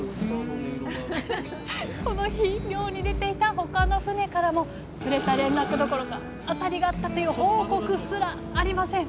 この日漁に出ていた他の船からも釣れた連絡どころかアタリがあったという報告すらありません